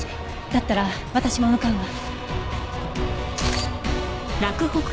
だったら私も向かうわ。